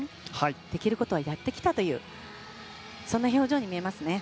できることはやってきたというそんな表情に見えますね。